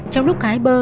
trong lúc hái bơ